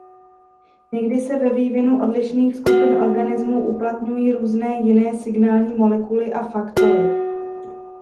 Někdy se ve vývinu odlišných skupin organismů uplatňují různé jiné signální molekuly a faktory.